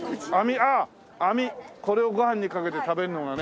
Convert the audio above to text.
これをご飯にかけて食べるのがね